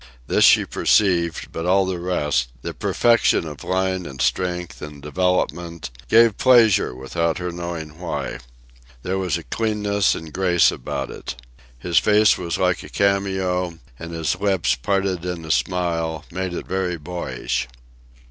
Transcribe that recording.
This she perceived, but all the rest, the perfection of line and strength and development, gave pleasure without her knowing why. There was a cleanness and grace about it. His face was like a cameo, and his lips, parted in a smile, made it very boyish.